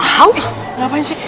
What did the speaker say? aduh ngapain sih